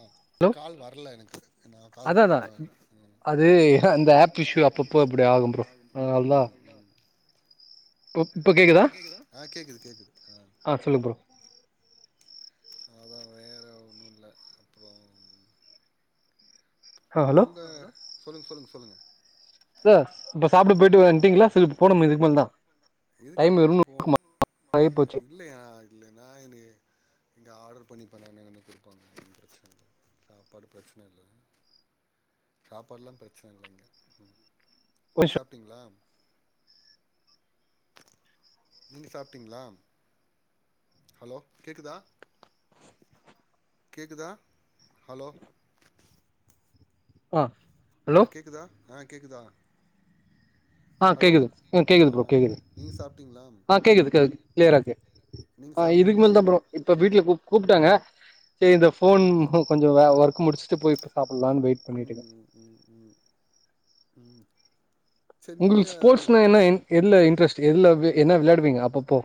ஆ hello call வர்ல எனக்கு நா கால் அதா பண்ண அதா வ ம் அது ம் அந்த ஆப் இஷ்யூ அப்பப்போ இப்டி ஆகும் ப்ரோ அதனாலதா ம் ம் இ இப்ப கேக்குதா ஆ கேக்குது கேக்குது ஆ சொல்லுங்க ப்ரோ அதா வேற ஒன்னுல்ல அப்றோ ஆ ஹலோ உங்க சொல்லுங் சொல்லுங்க சொல்லுங்க சா இப்ப சாப்புட போயிட்டு வன்ட்டீங்ளா ச இப்ப போனுமா இதுக் மேலதா இதுக்கப்பறந்தா போனு ஆகி போச்சு இல்லயா இல்ல நா இனி இங்க ஆர்டர் பண்ணி பண்ண [unintelligible] குடுப்பாங்க ஒன்னு பிரச்சனல்ல சாப்பாடு பிரச்சன இல்ல சாப்பாடு லா பிரச்சன இல்ல இங்க ம் ஒரு நீங்க நிமிஷோ சாப்டீங்களா? நீங்க சாப்டீங்ளா ஹலோ கேக்குதா கேக்குதா ஹலோ ஆ ஹலோ ஆ கேக்குதா ஆ கேக்குதா ஆ ஹலோ கேக்குது கேக்குது ஆ ப்ரோ நீங்க சாப்ட்டீங்களா ஆ கேக்குது கேக் க்ளியரா கே நீங்க ஆ இதுக்கு சாப்ட்டீங்களா மேல் தா ப்ரோ இப்ப பீட்டிய உங்க கூப்டாங்க செரி இந்த ம் ஃபோன் கொஞ்சோ வ ஒர்க் முடிச்சுட்டு போய் இப் சாப் ம் ம் ம் ம் ம் சரி நீங்க உங்ளுக் நீ ஸ்போர்ட்ஸ்னா என்ன இன் எதுல இன்ட்ரெஸ்ட் எதுல வெ என்ன வெளாடுவீங்க அப்பபோ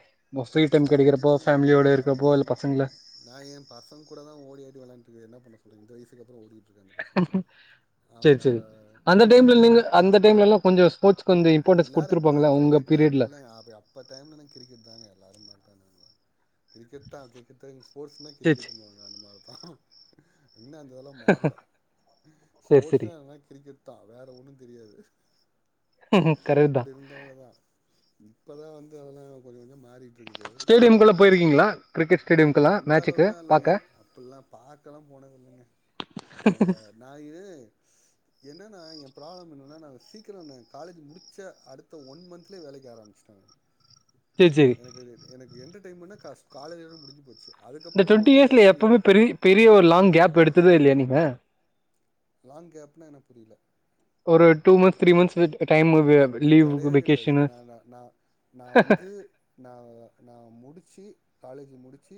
இல்லங்க அது நா அதெல்லா இல்ல போ பசங்கள நா எ பசங் கூடலா ஓடியாடி வெளாண்டது கெடையாது என்னா பண்ண சொ இந்த வயசுக்கு அப்றோ ஓடி செரி செரி அந்த டைம்ல நீங்க அந்த டைம்லலா கொஞ்சோ ஸ்போர்ட்ஸ் கொஞ்சோ இம்பார்ட்டன்ஸ் எல்லாரு அப்டிதா குடுத்துருப்பாங்கள உங்க கிரிக்கெட்தா பீரியட்ல எல்லா அப்ப டைம்லதா கிரிக்கெட் தாங்க எல்லாரு மாரி பண்ணாணு கிரிக்கெட் தா கிரிக்கெட்தாங் எங்ளுக் ஸ்போர்ட்ஸ்னா சேரி கிரிக்கெடுனுவாங்க அந்த மாரி ஆ [inaudible] இன்னு அந்த இதுலா மாறல சேரி சேரி ஸ்போர்ட்ஸ்னா என்ன கிரிக்கெட் தா வேற ஒன்னு தெரியாது கரெக்ட் தா அப்டி இருந்தவங்கதா ம் இப்பதா வந்து அதெல்லா கொஞ்சோ கொஞ்சோ மாறிட்ருக்கு ஸ்டேடியம் குள்ள போய்ருக்கிங்ளா அந்த அளவுக்குல்லா இல்லங்க அப்புல்லா பாக்கல்லா போனது இல்லங்க நம்ம ஞாயிறு என்னன்னா என் ப்ராப்ளம் என்னன்னா நா சீக்கிரம் என்ன காலேஜ் முடிச்ச அடுத்த ஒன் மந்த்லே வேலைக்கி ஆரம்பிச்சுடாங்க சேரி சேரி எனக்கு அதுட் எனக் எந்த டைமுன்னா காஸ் காலேஜ்ஜோட முடிஞ்சு போச்சு இந்த அதுக்கப்புற டுவெண்டி வந்து இயர்ஸ்ல லைஃப்ல எப்பவுமே பெரி பெரிய ஒரு லாங் கேப் எடுத் த்ததே இல்லயா நீங்க லாங் கேப்னா என்ன புரில ஒரு டூ மந்த்ஸ் த்ரீ மந்த்ஸ் இது ட் டைமு வே கெடையவே கெடையாது நா நா நா நா வந்து நா நா முடுச்சு காலேஜ் முடுச்சு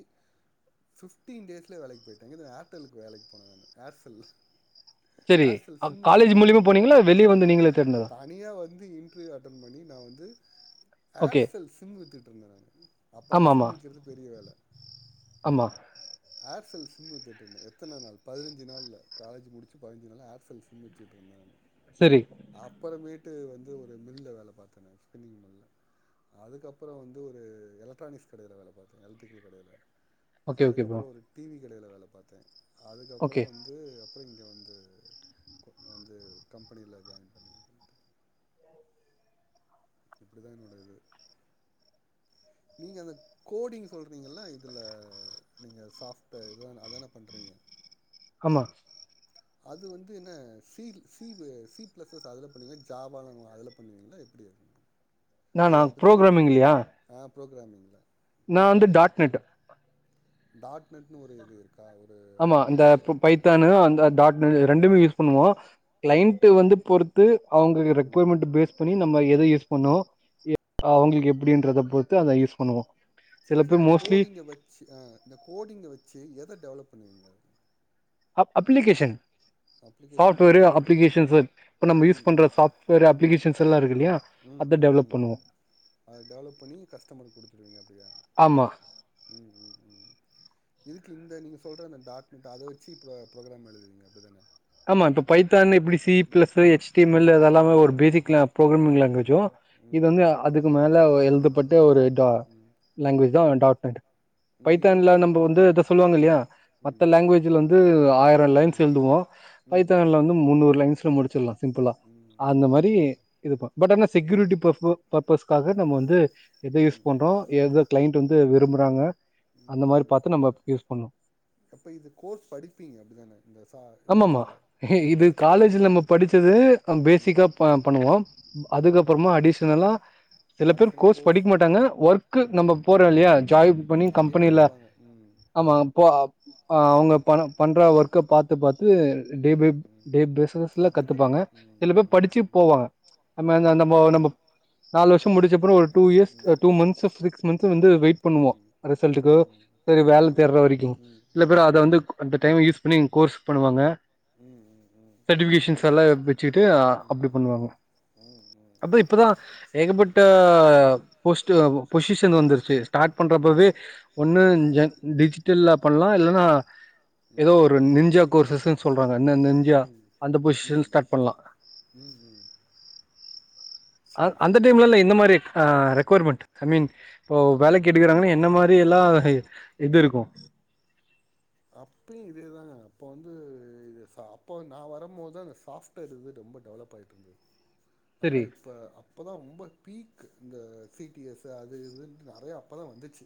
ஃபிஃப்டீன் டேஸ்ல வேலைக்கு போயிட்ட இங்கதா ஏர்டல்லுக்கு வேலைக்கு போன நானு ஏர்செல் சேரி ஏர்சல் சிம் விக்க காலேஜ் போனங்க மூலியமா போனீங்களா வெளிய வந்து நீங்களே தேடுனதா தனியா வந்து இன்டர்வியூ அட்டன் பண்ணி நா வந் து ஏர் ஓகே செல் சிம் வித்துட்டு இருந்த நானு அப்பல்லா ஆமா ஆமா சிம் விக்குறது பெரிய வேல ஆமா ஏர் செல் சிம் வித்துட்டு இருந்த எத்தன நாள் பதினஞ்சு நாள்ல காலேஜ் முடுச்சு பதினஞ்சு நாள்ல ஏர் செல் சிம் வித்துட்டு இருந்த சரி அப்புறோமேட் விட்டு வந்து ஒரு மில்ல வேல பாத்த நானு ஸ்பின்னிங் மில்ல அதுக்கப்புறோ வந்து ஒரு எலக்ட்ரானிக்ஸ் கடையில வேல பாத்த எலக்ட்ரிக்கல் கடையில ஓகே ஓகே ஃப்ரோ அதுக்கப்புறோ ஒரு டிவி காடையில வேல பாத்த அதுக்கப்புறோ ஓகே வந்து அப்புறோ இங்க வந் து வந்து கம்பெனில ஜாயின் பண்ணி இப்புடிதா என்னோடது நீங்க அந்த கோடிங் சொல்றீங்கள இதுல நீங்க சாஃப்ட் வேர் இதான அதான பண்றீங்க ஆமா அது வந்து என்ன C C C plus plus அதுல பண்ணுவீங்களா ஜவால்லா இருக்குல அதுல பண்ணுவீங்களா எப்டி இருக்கு நானா புரோகுராமிங் இல்லையா புரோகுராமிங்ள நா வந்து டாட் நெட்டு டாட் நெட்னு ஒரு இது இருக் ஆமா இந்த பைத்தானு அந்த டாட் நெட் ம் ரெண்டுமே யூஸ் பண்ணுவோ ம் கிளைண்ட்டு வந்து பொறுத் து அவங்கக்கு ம் ரெக்கொயர்மெண்ட் பேஸ் பண்ணி நீ நம்ம எத யூஸ் பண்ணோ அவங்களுக்கு எப்டின்றத பொறுத்து அத யூஸ் பண்ணுவோ சில சேரி பேர் இந்த மோஸ்ட்லி கோடிங்க வெச்சு ஆ இந்த கோடிங்க வெச் சு எத டெவலப் பண்ணுவீங்க அப் அப்ளிகேஷன் அப்ளிகேஷன்னா சாஃப்ட்வேரு எப்புடி அப்ளிகேஷன்ஸ் இப்ப நம்ம யூஸ் ம் பண்ற ம் சாஃப்ட்வேர் அப்ளிகேஷன்ஸ் எல்லா இருக்கு இல்லையா ம் ம் அத ம் டெவலப் ம் பண்ணுவோ அத டெவலப் பண்ணி கஸ்டமருக்கு குடுத்துருவீங்க அப்டியே ஆமா ம் ம் ம் இதுக்கு இந்த நீங்க சொல்ற இந்த டாட் நெட் அத வெச்சு இப்ப புரோகுராம் எழுதுவீங்க அப்டிதான ஆமா இப்ப பைத் தானு எப்டி C plus S T M L ம் அதெல்லாமே ஒரு ம் பேசிக் லெவல் புரோகுராம் ம் இல்லையாங்க ம் ஜோ இது ம் வந்து அதுக்கு மேல எழுதப்பட் இந்த ஒரு டா ம் லேங்குவேஜ்தா ம் டாட் நெட் ம் இது வந்து பைத்தான்ல நீங்க நம்ப வந்து படிப்பீங்க இத சொல்லுவாங்க இல்லையா ம் ம் மத்த லாங் வேஜ்ல வந்து ஆயிரோ ம் லைன்ஸ் எழுதுவோ ம் ம் பைத்தான்ல வந்து முன்னூறு லேங் லிஸ்ல்ல முடிச்சல்லா சிம்பிளா ம் அந்த ம் மாரி ம் இது ப பட் ஆன ம் செக்குரிட்டி பாப்போ பா பஸ்காக நம்ம வந்து எதோ யூஸ் ம் பண்றோ எதோ கிளைண்ட் ம் வந்து விரும்புறாங்க ம் அந்த மாரி ம் பாத்து நம்ம யூஸ் பண்ணோ அப்ப இது கோர்ஸ் படிப்பீங்க அப்பிடிதான ஆமாம்மா இது அதுல காலேஜ்ல நம்ம படிச்சது ம் பேசிக்கா பா பண்ணுவோ ம் அதுக்கப்புறமா ம் அடிஷனலா சில பேர் கோர்ஸ் படிக்க மாட்டாங்க ஒர்க் ம் நம்ம போறோ இல்லையா ஜாய் பண்ணி ம் அங்கயே கம்பெனில கத்துப்பாங்க ம் ஆமா போ ஆ அவங்க பண பண்ற ஒர்க்க பாத் த் பாத்து டே ப ம் ம் டே பேஸ்நஸ்ல கத்துப்பாங்க கத்துக்கறது ம் சில பேர் ம் படிச்சி ம் போவாங்க ம் நம்ம ம் நம்மோ நம் நாலு வருஷ் ப் முடிச்சப்புறோ ஒரு டூ இயர்ஸ் ம் ம் டூ மந்த்ஸ் மந்த் வந்து வெயிட் ம் பண்ணுவோ ம் ரிசல்ட்க்கு ம் ம் வேல ம் தேடுற வரைக்கு ம் ம் ம் ம் ம் ம் ம் ம் ம் சில ம் பேர் அத வந்து அந்த டைம் யூஸ் ப்பனிங் கோர்ஸ் பண்ணுவாங்க சட்டிபிகேஷன்ஷ்ல்லா ம் வச்சிட்டு அப்பிடி பண்ணுவாங்க ம் அப்ப இப்பதா ஏகப்பட்ட ஆ போஸ்ட்டு பொசிஷன் வந்திருச்சி டாட்ப் பண்றப்பவே ஒன்னு ஜே டிஜிட்டல்லாப் பண்ணலா இல்லன்னா ஏதோ ஒரு நிஞ்சாக் ஷ்னு சொல்றாங் வன்ன நெஞ்சா ம் ம் அந்த ம் ம் பொசிஷன் ஸ்டார்ட் பண்ணலா ம் ம் அ சரி அந்த சரி டைம்லல்ல இது எந்த மாரி ரெக்வர்மெண்ட் ஐ மீன் இப்போ வேலை கெட்டுக்கறாங்கன்னா என்ன மாரி எல்லா இது இருக்கு அப்பியு இதேதாங்க அப்ப வந்து இது சா அப்போ நா வரும்போதுதா இந்தந்த சாஃப்ட்வேர் இது ரொம்ப டெவலப் ஆயிட்டு இருந் நல்லா சரி இப்ப அப்பதா ரொம்ப பீக் க் இங்க சிடிஎஸ் அது இது நெறைய அப்போதா வந்திச்சி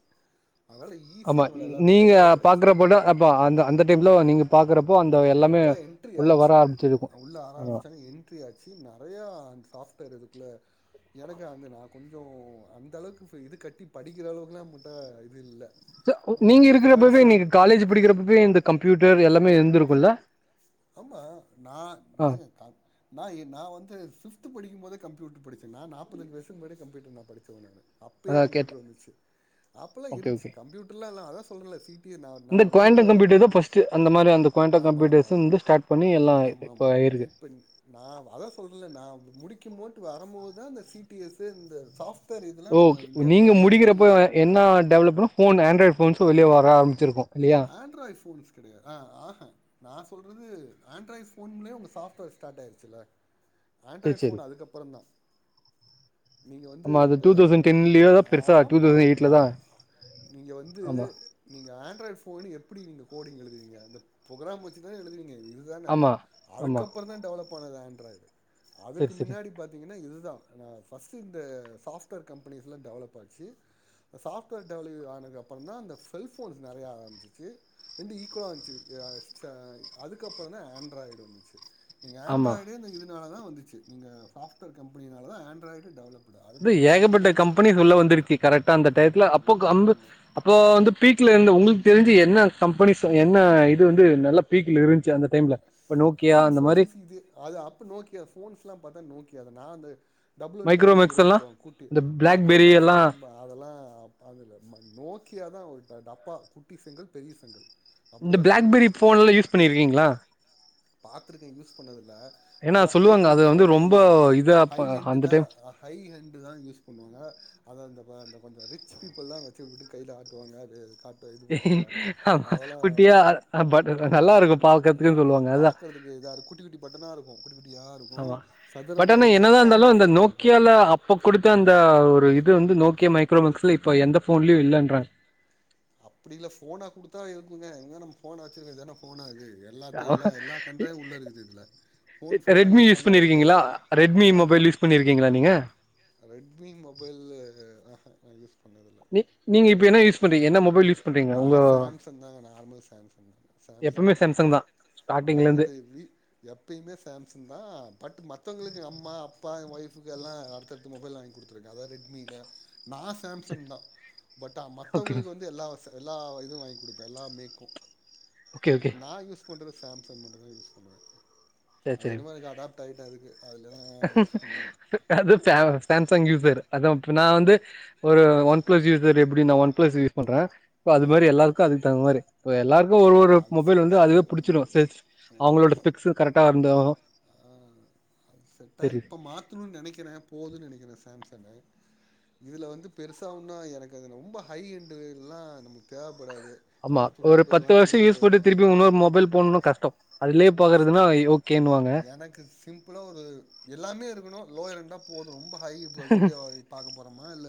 ஆமா நீங்க பாக்குற போல அப் ப்ப அந்த அந்த டைம்ல நீங்க பாக்குறப் அப்பதா என்ட்ரி ஆச்சி உள்ள ஆமா ஆரம்பிச்சங்க என்ட்ரி ஆச்சி நெறையா ஸ்டாஃப் க்கரதுகுள்ள எனக்கு அந்த நா கொஞ்சோ அந்த அளவுக்கு ஃபோ இது கட்டி படிக்கிற அளவுக்குலா முட்டா இது இல்ல ச்ச நீங்க நம்மளுக்கு இருக்கிறப்பவே ஃபினான்ஷியலி நீங்க காலேஜ் படிக்கிறப்பவே இந்த கம்ப்யூ ட்டர் எல்லாமே இருந்துருக்குல்ல ஆமா நா ஏங்க நா நா வந்து பிப்து படிக்கும் போதே கம் கம்யூட்டர் படுச்சீங்ளா நா நாற்பத்தஞ்சு வருஷத்கு முன்னாடியே கம்யூட்டர் ந படிச்சவ நானு அப்பயே அதா கேட்டே கம்ப்யூட்டர் வந்துச்சு அப்போல்லா ஓகே இருந்துச்சு ஓகே கம்ப்யூட்டர்லா எல்லா அதா சொல்ல சீட்டு இந்த குவண்டம் கம்யூட்டர் தா பஸ்டு அந்த மாதிரி அந்த குவண்ட ஆமா, கம்யூட்டர்ஸ் வந்து ஆமா ஸ்டார்ட் பண்ணி எல்லா ஆமா இப்போ ஆயிருக்கு இப்ப நா அதா சொல்றேல நா வந்து முடிக்கும் போட்டு வரும்போதுதா இந்த சி டி எஸ் இந்த சாஃப் ஓகே நீங்க முடிக்கிறப்ப என்னா டெவலப்த போன் ஆண்ட்ராய்ட் பன்ஸும் வெளிய வர ஆரமிச்சிருக்கக்கு ஆண்ட்ராய்ட் ஃபோன் கிடையாது ஆ ஆஹ நா சொல்றது ஆண்ட்ராய்ட் போன்லே உங்க சாப்ட்வேர் ஸ்டார்ட் ஆயிருச்சுல சேரி ஆண்ட்ராய்ட் சேரி போன் அதுக்கப்றோ தா நீங்க வந்து ஆமா அது இந்த டூ தௌசண்ட் டென்லயோ தா பெருசா டூ ஆமா தௌசண்ட் எயிட்ல நா தா நீங்க வந்து ஆமா நீங்க ஆண்ட்ராய்டு கோடிங் எப்டி நீங்க கோடிங் எழுதுவீங்க இந்த ப்ராக்ராம் வெச்சு தான எழுதுவீங்க இது தான ஆமா ஆமா அதுக்கப்புற தா டெவலப் பண்ணதா து [unintelligible] சேரி அதுக்கு சேரி முன்னாடி பாத்தீங்கனா இது அத ஃபஸ்டு இந்த சாஃடுவேர் கம்பெனிஸ்லா டெவலப் ஆச்சு அந்த சாஃப்ட்வேர் டெவல ஆனது அப்றோ தா அந்த செல்போன்ஸ் நெறயா ச்சு ரெண்டு ஈக்குவலா வந்துச்சு அதுக்கப்றோ தா ஆண்ட்ராய்டு வந்துச்சு நீங்க ஆமா ஆண்ட்ராய்டு இந்த இது இதுனால தா வந்துச்சு நீங்க சாப்ட்வேர் கம்பெனால தா ஆண்டராய்டு டெவலப் ஏகப்பட்ட கம்பெனிஸ் உள்ள வந்துருக்கு கரெக்டா அந்த டயத்ல அப்போ ஆமாம் அப்ப வந்து பீக்ல இருந்து ஒங்களுக்கு தெரிஞ்சு என்ன கம்பெனிஸ் என்ன இது வந்து நல்ல பீக்ல இருச்சு அந்த டைம்ல இப்ப அத நோக்கியா அந்த மாரி இன்போசிஸ் இது அது அப்ப நோக்கியா போன்ஸ் எல்லா பாத்தா நோக்கியாதா நான்ந்து [unintelligible] டபுள் ஒன் டபுள் மைக்ரோமேக்ஸ் ஜீரோன்னு எல்லா சொல்லுவாங்க கூட்டு இந்த மைக்ரோ பிளாக்பெரி எல்லா மேக்ஸ்லா ரொம்ப அதெல்லா அதுல நோக்கியாதா ஒரு டப்பா குட்டிசெங்கல் பெரியசெங்கல் இந்த பிளாக்பெரி போன் எல்லா யூஸ் பண்ணியிருக்கீங்களா பாத்துருக்கே யூஸ் பண்ணது இல்ல ஏன்னா அத சொல்லுவாங்க அது ஹைஹண்ட வந்து போன் ரொம்ப சொல்லுவாங்க இதா ஹை ப- ஹண்டு அந்த தா டைம் ஹை ஹண்டு தா யூஸ் பண்ணுவாங்க அத அந்த அப்போ அந்த கொஞ்சோ ரிச் பீப்பல்லா வச்சு விட்டு கையில ஆட்டுவாங்க அது காட்ட இது பண்ணுவாங்க ஆமா அதெல்லா குட்டியா பட் நல்லா இருக்கும் பாக்கறதுக்கு சொல்லுவாங்க அதா பாக்கறதுக்கு இதாரு குட்டி குட்டி போட் த்தனா இருக்கும் ஆமா பட் ஆனா என்னதா இருந்தாலு ரெக்டாங்கிள் இந்த ஷேப்ல இருக்கு நோக்கியால அப்ப கொடுத்த அந்த ஒரு இது து வந்து நோக்கியோ மைக்ரோமக்ஸ்ல இப்ப எந்த போன்லியு இல்லன்ற அப்டில்ல ஃபோனா குடுத்தா இருக்குங்க இவங்கதா நம்ம ஃபோன வச்சிருக்கது என்ன ஃபோனா அது எல்லாத்தியு எல்லா எல்லா கண்ட்ராவியு உள்ள இருக்குது இதுல ஃபோன் ஃபோன ரெட்மி யூஸ் பண்ணா இருக்கும் பண்ணிருக்கீங்களா அது ரெட்மி மொபைல் யூஸ் பண்ணிருக்கீங்களா நீங்க ஆ ரெட்மி மொபைலு ஆஹா யூஸ் பண்ண நீ நீங்க இப்ப என்ன யூஸ் பண்றீங்க என்ன மொபைல் யூஸ் பண்றீங்க நா உங்க சேம்சங் தாங்க நார்மல் சேம்சங் சேம்சங் எப்பவுமே தா சாம்சங் நா ஸ்டார்டிங்ல இருந்து வந்து வி எப்பயுமே சேம்சங் தா பட்டு மத்தவங்களுக்கு எங்க அம்மா அப்பா என் ஒயஃபுக்கு எல்லாம் அடுத்தடுத்த மொபைல் வாங்கி கொடுத்துருக்க அதா ரெட்மியில நா சரி, சேம்சங் தா பட் ஓகே மத்தவங்களுக்கு வந்து எல்லா வச எல்லா இதுவு வாங்கி கொடுப்பே எல்லா மேக்கும் ஓகே ஓகே நான் யூஸ் பண்ற சேம்சங் மட்டும் தா யூஸ் பண்ணுவே செரி அது செரி என்னமோ எனக்கு அடாப்ட் ஆயிட்டே அதுக்கு அதுல தா யூஸ் பண்ணுவே அதா சேம் சேம்சங் யூசர் அதா இப்ப நா வந் து ஒரு ஒன் பிளஸ் யூசர் எப்படி நான் ஒன் பிளஸ் யூஸ் பண்ற இப்ப அது ஆ மாரி எல்லாருக்கு அதுக்கு தகுந்த மாரி இப்ப எல்லாருக்கு ஒரு ஒரு ஆ அது மொபைல் செட் வந்து அதுவே ஆகுது புடிச்சிரு ம் செ ம் அவுங்களோட பிக்ஸ அந்தோ ஆ அது செட்டா இப்ப மாத்தணும்னு நெனைக்கிற போதுனு நெனைக்கிற சேம்ச சனு இதுல வந்து பெருசா ஒன்னு எனக்கு அது ரொம்ப ஹை எண்டு இதுல்லா நம்பளுக்கு தேவ ஆமா ஒரு பத்து வருஷோ யூஸ் பண்ணி திருப்பியும் இன்னொரு மொபைல் போனுனா கஷ்டம் கஷ்டம் இது எனக்கு சிம்ப்ளா ஒரு எல்லாமே இருக்கணு லோ இரண்டா போதும் ரொம்ப ஹை இப்போ வீடியோ பாக்க போரோமா இல்ல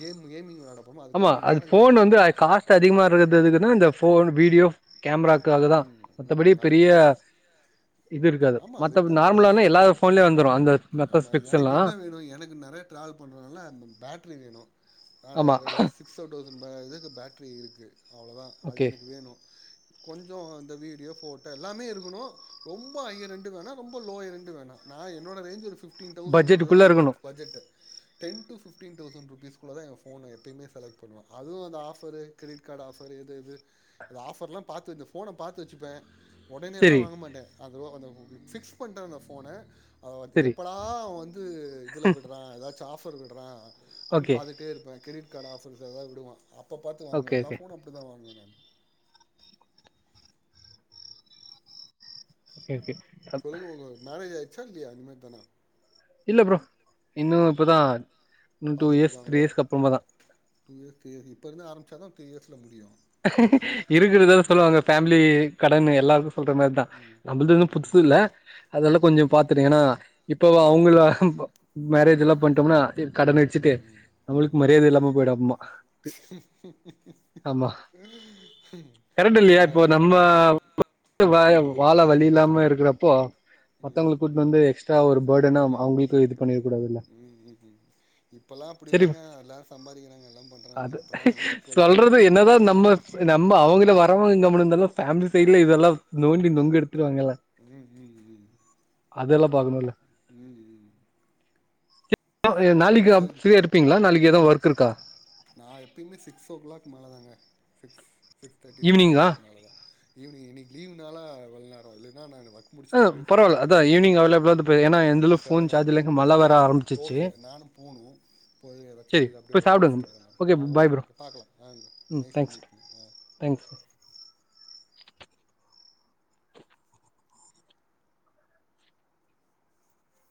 கேம் கேமிங் வெளாட ஆமா அது ஃபோனு வந்து காஸ்ட்டு அதிகமா இருக்கறது எதுக்குன்னா இந்த ஃபோன் வீடியோ கேமராக்காகதா ம் மத்தபடி ம் பெரிய அதுக்கு தா இது இருக்காது ஆமா மத்த அதுக்கு தா பிரைஸ் நார்மலானா எல்லா உங்களுக்கு ஃபோன்லே வந்துரு அந்த மத்த ஆமா பெக்ஸ் எனக்கு எல்லா என்ன வேணும் எனக்கு நிறைய நா ஆமா சிக்ஸ் லவுசண்ட் பா இது கு பேட்ரி இருக்கு அவ்ளோதா அது ஓகே எனக்கு வேணு கொஞ்சோ இந்த வீடியோ போட்டோ எல்லாமே இருக்கணு ரொம்ப ஹைய் ரெண்ட்டுக்கு வேணா ரொம்ப லோயர் ரெண்ட்டுக்கு வேணா நா என்னோட ரேஞ்ச்சு ஒரு பிஃப் டின் தௌசண்ட்குள்ளதா பட்ஜெட்டுக்குள்ள என்னோட இருக்கணு budget ten two fifteen thousand rupees குள்ளதா எங்க ஃபோனு எப்பயுமே செலைக்ட் பண்ணுவ அது அந்த ஆஃப்பரு கிரெடிட் கார்டு ஆஃப்பரு இது இது அது ஆஃப்ர்லாம் பாத்து இந்த ஃபோன பாத்து வெச்சுப்ப ஒடனே எல்லா செரி வாங்க மாட்ட அந்த ரோ அந்த ஓகே பிக்ஸ் பண்டனா ஃபோன அவ வந்து செரி எப்படா அவ வந்து இதுல விடுறா எதாச் ச்ச ஆஃப்ர் விடுறா அன் ஓகே பாத்துட்டே இருப்ப கிரெடிட் கார்டு ஆஃப்ர்ஸ் எதாவது விடுவா அப்போ பாத்து வாங்குவ ஓகே எல்லா ஓகே ஃபோனு அப்புடிதா வாங்குவ நானு ஓகே ஓகே சொல்லுங்க உங்க மேரேஜ் ஆயி சேரியா இந்த மாரி தானா இல்ல ஃப்ரோ இன்னு இப்பதா இன்னு டூ இயர்ஸ் த்ரீ இயர்ஸ்க்கு அப்புறமாதா தேதி இப்ப இருந்து ஆரம்பிச்சாதா த்ரீ இயர்ஸ்ல முடியு இருக்குறதா சொல்லுவாங்க ஃபேமிலி கடன் எல்லாரு சொல்ற மாரிதா ம் நம்முழுதொன்னு ம் புதுசு இல்ல ம் அதெல்லா ம் கொஞ்சோ பாத்துருங்க ஏன்னா இப்ப ம் அவுங்கள இப்போ மேரேஜ் எல்லா பண்ணிட்டோம்னா ட்டு கடன வெச்சிட்டு ம் ம் நம்மளுக்கு ம் மரியாத இல்லாம போயிடு அப்புறமா ஆமா கரெக்ட் இல்லையா இப்போ எல்லாரு நம்ம ஆமா வால வழி இல்லாம இருக்குறப்போ ம் மத்தவங்கள கூட்டின் வந்து எக்ஸ்ட்ரா எல்லா ஒருப் ம் ம் ம்ம் இப்பல்லா அப்டி சரி இல்லங்க எல்லாரு சம்பாதிக்கிறாங்க எல்லா அது பண்றாங்கங்க இப்பல்லா எல்லா ஈக்குவல் தாங்க சொல்றது என்னதா நம்ம நம்ம அவங்கள வரவங்க கம்முனு இருந்தாலு ஃபேமிலி சைடுல இதெல்லா நோண்டி நொங்கு எடுத் ம் ம் ம் அதெல்லா பாக்கணுல்ல உ உ அ உ நாளைக்கு ஃப்ரீயா இருப்பீங்ளா நாளைக்கு ஏதூ ஒர்க் ஒர்க் இருக்கா நா எப்பயுமே சிக்ஸ் ஓ கிளாக் மேலதாங்க சிக்ஸ் சிக்ஸ் தேட்டி செவனோ ஈவினிங்கா கிளாக் மேலா தா ஈவினிங் இன்னிக்கு லீ்வுனால இவ்ளோ நேரோ இல்லன்னா நா வ ஆ பரவால அதா ஈவினிங் அவைளபுலா [unintelligible] ஏனா எந்துலயும் ஃபோன் செவன் ஓ சார்ஜ் கிளாக் இல்ல மழ வர ஆரம்பிச்சிச்சி ஓகே நானு போணு போய் ஏதாச்சு ச்சரி வெளியில அப்டியே போய் ரவுண்ட் சாப்டுங்க அடிச்சுட்டு ஆ பாய் ஓகே ப்ரோ ஓகே பாக்கலா ஆ ம் nice to thanks meet you ஆ தேங்க்ஸ்